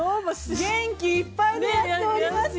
◆元気いっぱいでやっておりますよ。